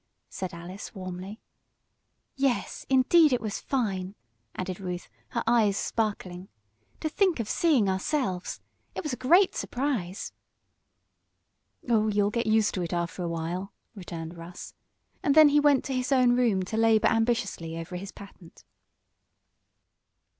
said Alice, warmly. "Yes, indeed, it was fine!" added Ruth, her eyes sparkling. "To think of seeing ourselves! It was a great surprise." "Oh, you'll get used to it after a while," returned Russ. And then he went to his own room to labor ambitiously over his patent.